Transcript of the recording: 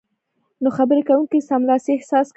نو خبرې کوونکی سملاسي احساس کوي